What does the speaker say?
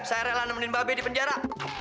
saya rela nemenin mbak be di penjara